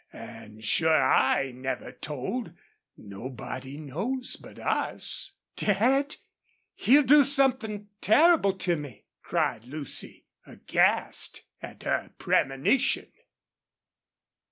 An' sure I never told. Nobody knows but us." "Dad, he'll do something terrible to me!" cried Lucy, aghast at her premonition.